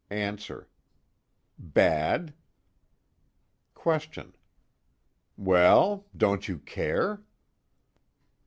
ANSWER: Bad. QUESTION: Well? Don't you care?